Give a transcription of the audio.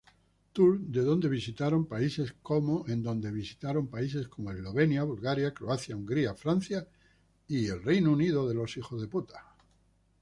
Tour", en donde visitaron países como Eslovenia, Bulgaria, Croacia, Hungría, Francia e Inglaterra.